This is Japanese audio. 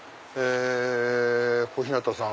小日向さん。